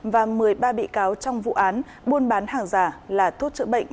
và một mươi ba bị cáo trong vụ án buôn bán hàng giả là thuốc chữa bệnh